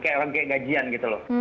kayak gajian gitu loh